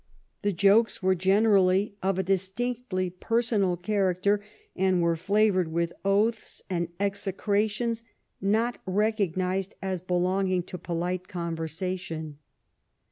The jokes were generally of a distinctly personal character, and were flavored with oaths and execrations not recognized as belonging to polite conversation.